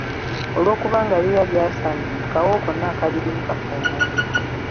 Olw’okuba nga biba by'asame akawoowo konna akabirimu kafuumuuka.